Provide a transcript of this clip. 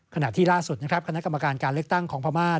ขณะที่ล่าสุดคณะกรรมการการเลือกตั้งของภามาร์